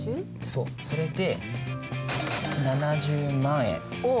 そうそれで７０万円。